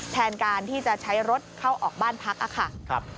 แทนการที่จะใช้รถเข้าออกบ้านพักค่ะ